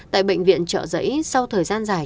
tại bệnh viện chợ rẫy sau thời gian dài